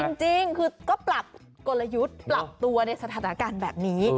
จริงคือก็ปรับกลยุทธ์ปรับตัวในสถานการณ์แบบนี้